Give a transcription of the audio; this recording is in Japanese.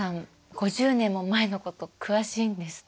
５０年も前のこと詳しいんですね。